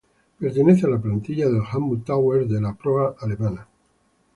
Pertenece a la plantilla del Hamburg Towers de la ProA alemana.